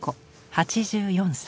８４歳。